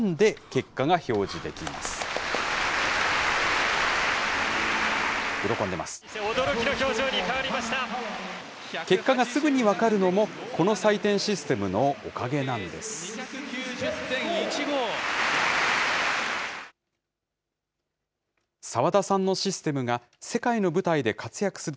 結果がすぐに分かるのも、この採点システムのおかげなんです。２９０．１５。